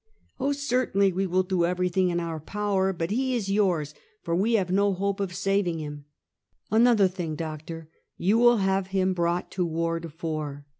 Oh, certainly, we will do everything in our power; but he is yours, for we have no hope of saving him." " Another thing, doctor; you will have him brought to Ward Tour." First Case of Gkowing a JSTew Bone.